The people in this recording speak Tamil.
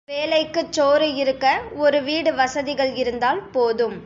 வேளைக்குச் சோறு இருக்க ஒரு வீடு வசதிகள் இருந்தால் போதும்.